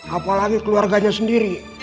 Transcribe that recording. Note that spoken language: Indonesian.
apalagi keluarganya sendiri